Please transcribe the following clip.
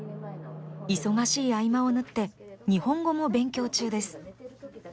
忙しい合間を縫って日本語も勉強中です。